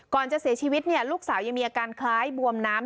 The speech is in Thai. ก่อนจะเสียชีวิตลูกสาวยังมีอาการคล้ายบวมน้ำ